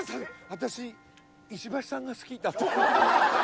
「私石橋さんが好き」だって。